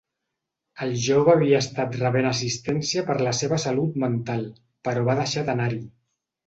El jove havia estat rebent assistència per la seva salut mental però va deixar d'anar-hi.